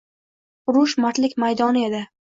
Urush mardlik maydoni edi